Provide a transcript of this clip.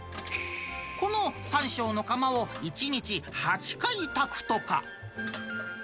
この３升の釜を、１日８回炊くとか。